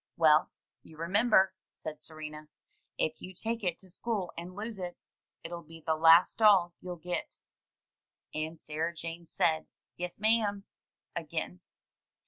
"Well, you remember," said Serena. "If you take it to school and lose it, it'll be the last doll you'll get." And Sarah Jane said, "Yes, ma'am," again.